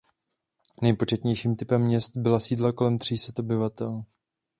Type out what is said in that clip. Nejpočetnějším typem měst byla sídla kolem tří set obyvatel.